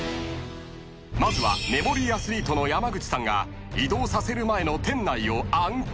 ［まずはメモリーアスリートの山口さんが移動させる前の店内を暗記］